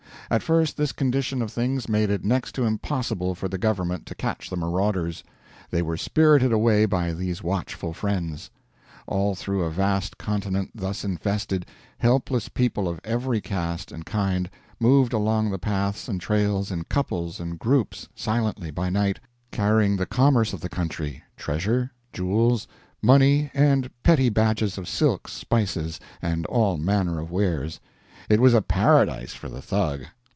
At first this condition of things made it next to impossible for the government to catch the marauders; they were spirited away by these watchful friends. All through a vast continent, thus infested, helpless people of every caste and kind moved along the paths and trails in couples and groups silently by night, carrying the commerce of the country treasure, jewels, money, and petty batches of silks, spices, and all manner of wares. It was a paradise for the Thug.